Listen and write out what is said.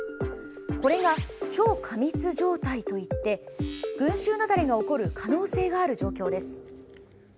これが超過密状態といって群衆雪崩が起こる可能性がある状況です。